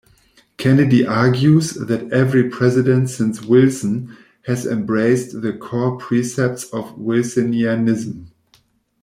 Kennedy argues that every president since Wilson has embraced the core precepts of Wilsonianism.